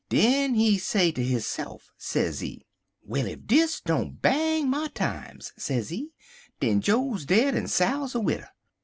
Den he say ter hisse'f, sezee: "'Well, ef dis don't bang my times,' sezee, 'den Joe's dead en Sal's a widder.